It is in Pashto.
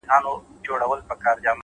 هره لحظه د بدلون نوې دروازه ده’